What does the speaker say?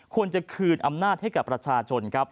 ควรจะคืนอำนาจให้กับประชาชนครับ